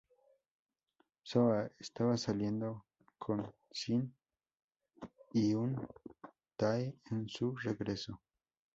Soo Ah, estaba saliendo con Shin Hyun Tae en su regreso.